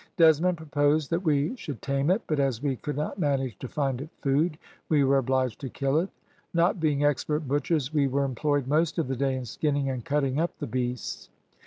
Desmond proposed that we should tame it, but as we could not manage to find it food, we were obliged to kill it. Not being expert butchers, we were employed most of the day in skinning and cutting up the beasts.